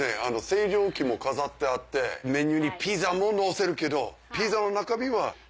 星条旗も飾ってあってメニューにピザも載せるけどピザの中身は１００％